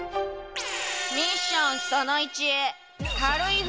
ミッションその１パン！